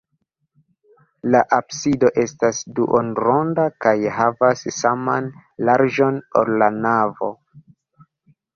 La absido estas duonronda kaj havas saman larĝon, ol la navo.